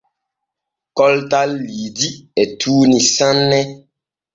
Koltal Liidi e tuuni sanne.